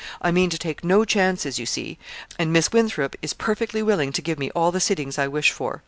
I mean to take no chances, you see; and Miss Winthrop is perfectly willing to give me all the sittings I wish for.